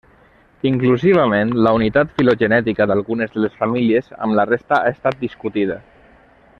Inclusivament la unitat filogenètica d'algunes de les famílies amb la resta ha estat discutida.